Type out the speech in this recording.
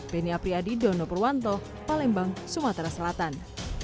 beni apriyadi dono purwanto palembang sumatera selatan